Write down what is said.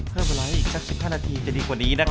เพิ่มเวลาให้อีกสัก๑๕นาทีจะดีกว่านี้นะคะ